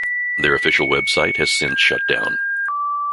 Their official website has since shut down.